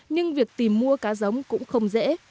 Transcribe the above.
nhưng việc tìm mua cá giống cũng không dễ